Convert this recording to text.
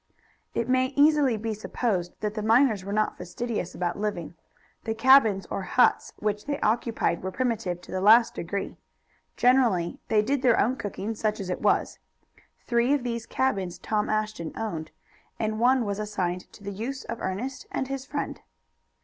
It may easily be supposed that the miners were not fastidious about living. The cabins or huts which they occupied were primitive to the last degree. Generally they did their own cooking, such as it was. Three of these cabins Tom Ashton owned, and one was assigned to the use of Ernest and his friend.